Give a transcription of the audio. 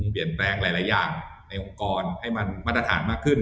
เปลี่ยนแปลงหลายอย่างในองค์กรให้มันมาตรฐานมากขึ้น